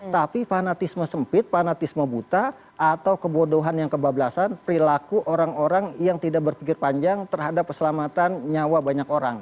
tapi fanatisme sempit fanatisme buta atau kebodohan yang kebablasan perilaku orang orang yang tidak berpikir panjang terhadap keselamatan nyawa banyak orang